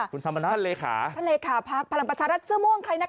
คุณธรรมนาท่านเลขาท่านเลขาพลังประชารัฐเสื้อม่วงใครนะคะ